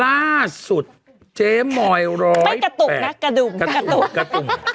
ล่าสุดเจ๊หมอยร้อยแปด